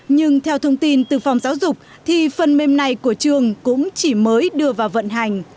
nhưng theo thông tin từ phòng giáo dục thì phần mềm này của trường cũng chỉ mới đưa vào vận hành